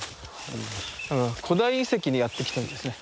古代遺跡にやって来たみたいですね。